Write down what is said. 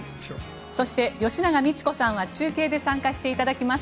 そして、吉永みち子さんは中継で参加していただきます。